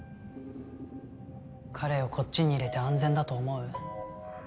彼をこっちに入れて安全だと思う？